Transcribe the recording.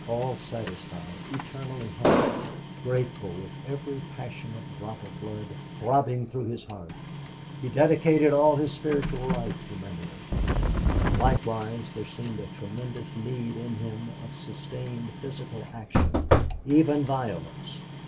All satisfied, eternally humble, grateful with every passionate drop of blood throbbing through his heart, he dedicated all his spiritual life to memory. And likewise there seemed a tremendous need in him of sustained physical action, even violence.